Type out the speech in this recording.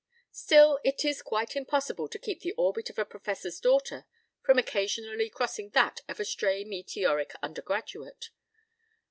p> Still, it is quite impossible to keep the orbit of a Professor's daughter from occasionally crossing that of a stray meteoric undergraduate.